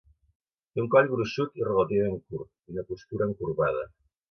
Té un coll gruixut i relativament curt, i una postura encorbada.